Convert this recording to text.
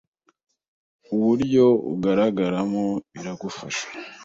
uburyo ugaragaramo biragufasha